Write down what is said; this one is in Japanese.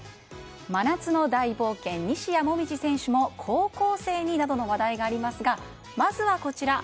真夏の大冒険、西矢椛選手も高校生に、などの話題がありますがまずはこちら。